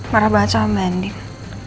marah banget sama mending